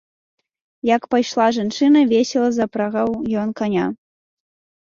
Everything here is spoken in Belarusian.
Як пайшла жанчына, весела запрагаў ён каня.